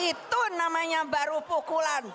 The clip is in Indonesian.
itu namanya baru pukulan